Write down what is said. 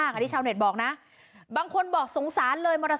คุณต้องสงสารคนด้วยสิครับ